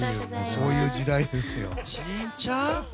そういう時代ですよ。